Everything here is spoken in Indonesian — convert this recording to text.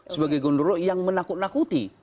sebagai gondoro yang menakut nakuti